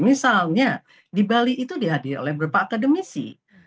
misalnya di bali itu dihadir oleh berbagai